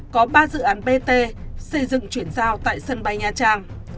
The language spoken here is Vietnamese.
có ba dự án bt xây dựng chuyển giao tại sân bay nha trang